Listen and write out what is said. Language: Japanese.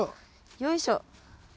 よいしょ。